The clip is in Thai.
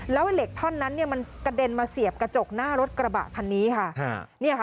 แล้วเหล็กท่อนนั้นมันกระเด็นมาเสียบกระจกหน้ารถกระบะคันนี้ค่ะ